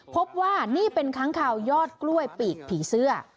พบว่านี่เป็นค้างข่าวยอดกล้วยปีกผีเสื้อ